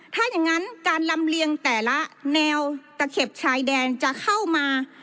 ถ้าอย่างนั้นการลำเลียงแต่ละแนวตะเข็บชายแดนจะเข้ามา